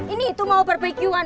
ini itu mau barbequean